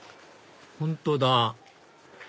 本当だ